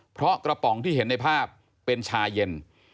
เพราะกระป๋องที่เห็นในภาพเป็นชาเย็น